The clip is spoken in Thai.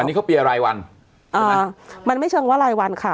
อันนี้เขาเปียรายวันมันไม่เชิงว่ารายวันค่ะ